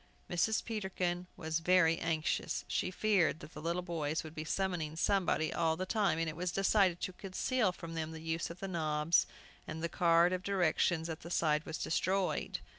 Mrs. Peterkin was very anxious. She feared the little boys would be summoning somebody all the time, and it was decided to conceal from them the use of the knobs, and the card of directions at the side was destroyed.